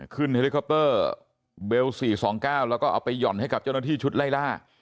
เฮลิคอปเตอร์เบล๔๒๙แล้วก็เอาไปหย่อนให้กับเจ้าหน้าที่ชุดไล่ล่า